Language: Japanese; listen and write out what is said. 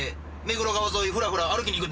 目黒川沿い